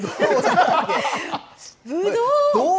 ぶどう！